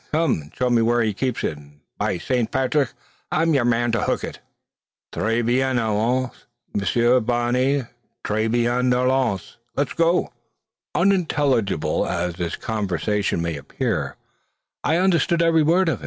Come an' show me where he keeps it; and, by Saint Patrick! I'm yer man to hook it." "Tres bien! allons! Monsieur Barney, allons!" Unintelligible as this conversation may appear, I understood every word of it.